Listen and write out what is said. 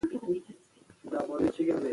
طبیعي زیرمې د افغانستان د شنو سیمو ښکلا ده.